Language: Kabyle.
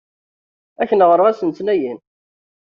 Ad ak-n-ɣṛeɣ ass Letnayen.